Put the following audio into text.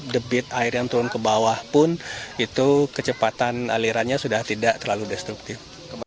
debit air yang turun ke bawah pun itu kecepatan alirannya sudah tidak terlalu destruktif